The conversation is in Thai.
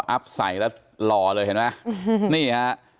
อัพใส่แล้วหล่อเลยเห็นมั้ย